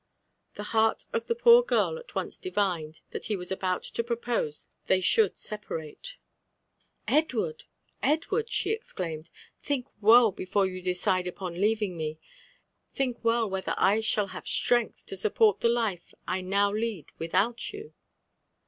The heart of the poor girl at once divined, that he was about to pro pose they should separate. "Edward! Edward!" she exclaimed, 'Uhink well before you decide upon leaving me ;— think well whether I shall have strength to support the life I now lead without you."